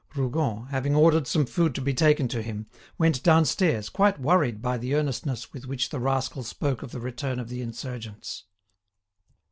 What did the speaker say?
Rougon, having ordered some food to be taken to him, went downstairs, quite worried by the earnestness with which the rascal spoke of the return of the insurgents.